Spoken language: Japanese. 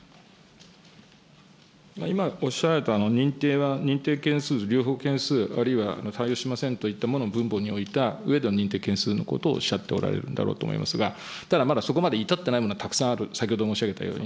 今、おっしゃられた認定件数、件数、あるいは対応しませんといったものも分母に置いたうえでの認定件数のことをおっしゃっておられるんだろうと思いますが、ただ、まだそこまで至ってないものはたくさんある、先ほど申し上げたように。